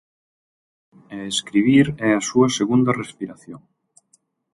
E escribir é a súa segunda respiración.